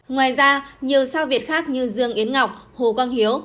ngoài ra nhiều sao việt khác như dương yến ngọc hồ quang hiếu